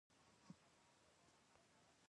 لومړی حفاظتي کالي واغوندئ د کار پیلولو لپاره.